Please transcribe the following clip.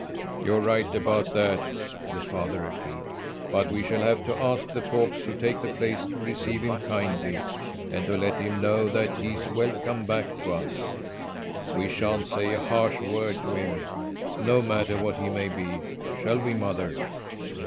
"You're right about that," the father agreed. "But we shall have to ask the folks who take the place to receive him kindly and to let him know that he's welcome back to us. We sha'n't say a harsh word to him, no matter what he may be, shall we mother?"